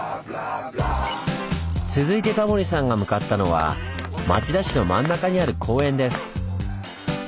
続いてタモリさんが向かったのは町田市の真ん中にある公園です。